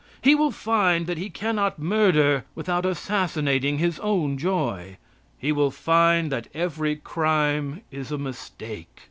He will find that he cannot murder without assassinating his own joy. He will find that every crime is a mistake.